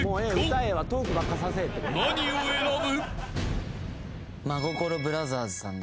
［何を選ぶ？］